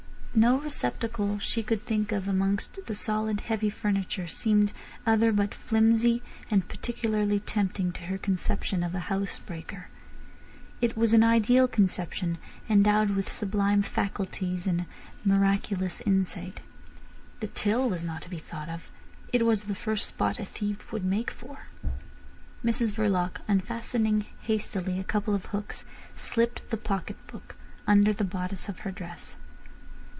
No receptacle she could think of amongst the solid, heavy furniture seemed other but flimsy and particularly tempting to her conception of a house breaker. It was an ideal conception, endowed with sublime faculties and a miraculous insight. The till was not to be thought of. It was the first spot a thief would make for. Mrs Verloc unfastening hastily a couple of hooks, slipped the pocket book under the bodice of her dress.